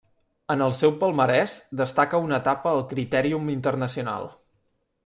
En el seu palmarès destaca una etapa al Critèrium Internacional.